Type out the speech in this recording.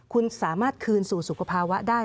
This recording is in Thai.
คุณสามารถคืนสู่สุขภาวะได้